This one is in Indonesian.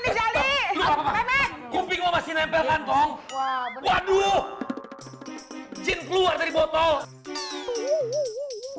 ini apaan ini jali kubing masih nempel kantong waduh jin keluar dari botol